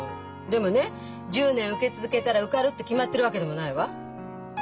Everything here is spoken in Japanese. でもね１０年受け続けたら受かるって決まってるわけでもないわ。